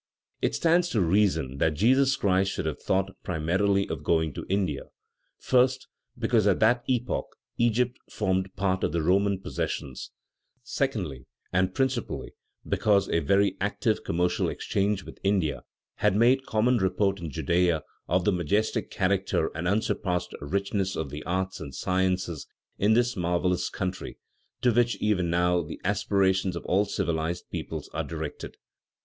It stands to reason that Jesus Christ should have thought, primarily, of going to India, first, because at that epoch Egypt formed part of the Roman possessions; secondly, and principally, because a very active commercial exchange with India had made common report in Judea of the majestic character and unsurpassed richness of the arts and sciences in this marvellous country, to which even now the aspirations of all civilized peoples are directed.